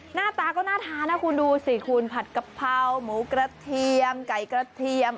หน้าตาก็น่าทานนะคุณดูสิคุณผัดกะเพราหมูกระเทียมไก่กระเทียม